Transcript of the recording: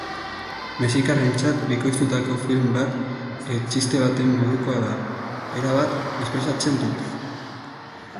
Mexikarrentzat bikoiztutako film bat txiste baten modukoa da, erabat mespretxatzen dute.